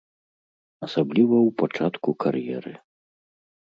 Асабліва ў пачатку кар'еры.